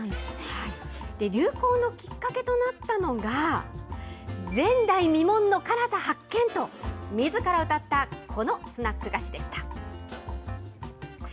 流行のきっかけとなったのが、前代未聞の辛さ発見と自らうたった、このスナック菓子でした。